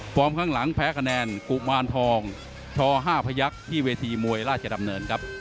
ข้างหลังแพ้คะแนนกุมารทองช๕พยักษ์ที่เวทีมวยราชดำเนินครับ